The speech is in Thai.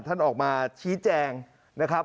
ท่านออกมาชี้แจงนะครับ